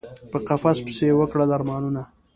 په قفس پسي یی وکړل ارمانونه